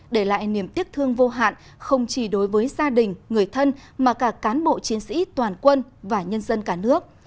để lại niềm tiếc thương vô hạn không chỉ đối với gia đình người thân mà cả cán bộ chiến sĩ toàn quân và nhân dân cả nước